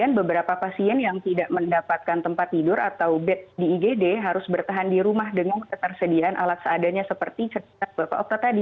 kemudian beberapa pasien yang tidak mendapatkan tempat tidur atau bed di igd harus bertahan di rumah dengan ketersediaan alat seadanya seperti cerita bapak okta tadi